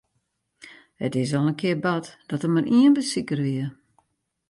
It is al in kear bard dat der mar ien besiker wie.